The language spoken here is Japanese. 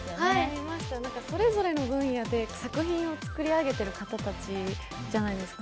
見ました、それぞれの分野で作品を作り上げている方たちじゃないですか。